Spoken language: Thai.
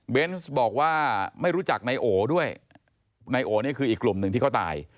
บอกว่าไม่รู้จักนายโอด้วยนายโอนี่คืออีกกลุ่มหนึ่งที่เขาตาย